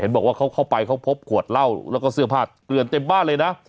บอกว่าเขาเข้าไปเขาพบขวดเหล้าแล้วก็เสื้อผ้าเกลือนเต็มบ้านเลยนะ